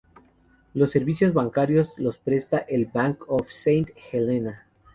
Los servicios bancarios los presta el Bank of Saint Helena.